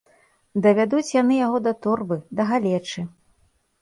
Давядуць яны яго да торбы, да галечы.